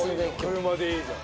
車でいいじゃん。